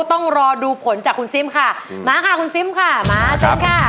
ต้องรอดูผลจากคุณซิมค่ะมาค่ะคุณซิมค่ะมาเชิญค่ะ